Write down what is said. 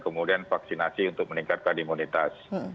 kemudian vaksinasi untuk meningkatkan imunitas